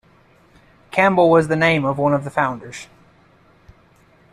Campbell was the name of one of the founders.